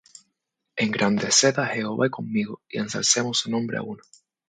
Engrandeced á Jehová conmigo, Y ensalcemos su nombre á una.